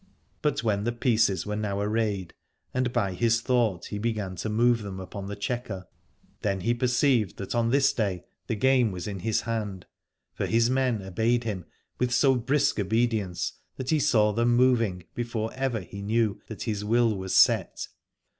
But when the pieces were now arrayed and by his thought he began to move them upon the chequer, then he perceived that on this day the game was in his hand : for his men obeyed him with so brisk obedience that he saw them moving before ever he knew that his will was set.